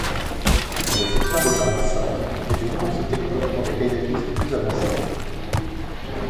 La section de grade V est une course technique pour des kayakistes plus avancés.